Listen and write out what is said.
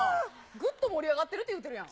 ぐっと盛り上がってるっていうてるやん。